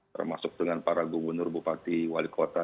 termasuk dengan para gubernur bupati wali kota